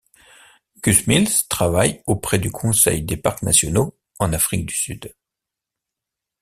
Gus Mills travaille auprès du Conseil des Parcs Nationaux en Afrique du Sud.